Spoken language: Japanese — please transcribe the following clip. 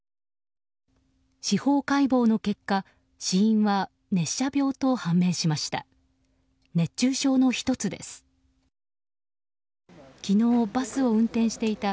司法解剖の結果死因は熱射病と判明しました。